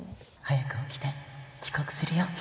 「早く起きて！遅刻するよ」。